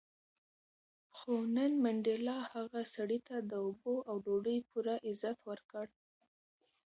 خو نن منډېلا هغه سړي ته د اوبو او ډوډۍ پوره عزت ورکړ.